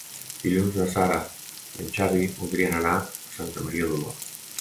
Dilluns na Sara i en Xavi voldrien anar a Santa Maria d'Oló.